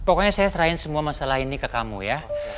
pokoknya saya serahin semua masalah ini ke kamu ya